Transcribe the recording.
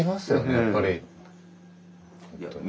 やっぱり。